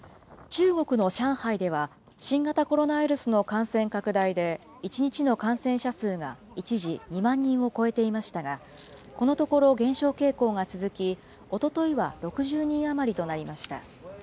中国の上海では、新型コロナウイルスの感染拡大で、１日の感染者数が一時２万人を超えていましたが、このところ減少傾向が続き、おとといは６０人余りとなりました。